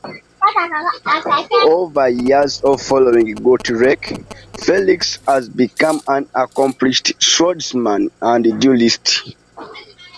Over years of following Gotrek, Felix has become an accomplished swordsman and duelist.